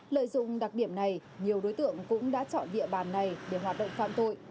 lợi dụng đặc điểm này nhiều đối tượng cũng đã chọn địa bàn này để hoạt động phạm tội